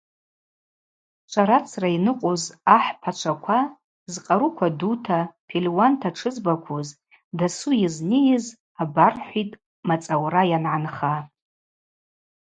Шварацра йныкъвуз ахӏпачваква – зкъаруква дута, пельуанта тшызбаквуз – дасу йызнийыз абархӏвитӏ мацӏаура йангӏанха.